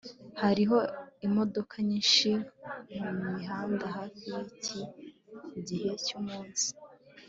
hariho imodoka nyinshi mumihanda hafi yiki gihe cyumunsi